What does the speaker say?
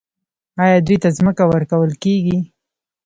آیا دوی ته ځمکه ورکول کیږي؟